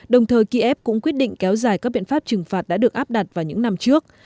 đồng thời kiev cũng quyết định kéo dài các biện pháp trừng phạt đã được áp đặt vào những năm trước